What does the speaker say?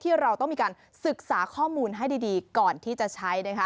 เราต้องมีการศึกษาข้อมูลให้ดีก่อนที่จะใช้นะคะ